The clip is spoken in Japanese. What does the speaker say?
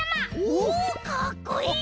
おおかっこいい！